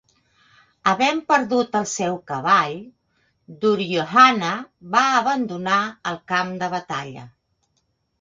Havent perdut el seu cavall, Duryodhana va abandonar el camp de batalla.